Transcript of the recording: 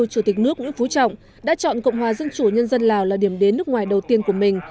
chủ tịch nước nguyễn phú trọng đã chọn cộng hòa dân chủ nhân dân lào là điểm đến nước ngoài đầu tiên của mình